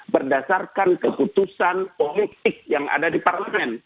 berdasarkan keputusan politik yang ada di parlemen